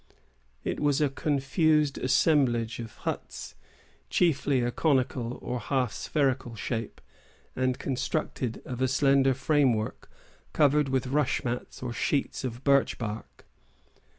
It was a confused assemblage of huts, chiefly of a conical or half spherical shape, and constructed of a slender framework covered with rush mats or sheets of birch bark.